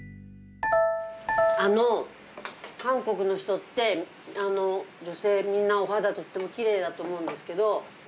あの韓国の人って女性みんなお肌とってもきれいだと思うんですけど。